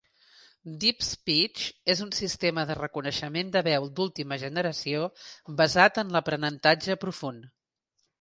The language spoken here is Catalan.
DeepSpeech és un sistema de reconeixement de veu d'última generació basat en l'aprenentatge profund.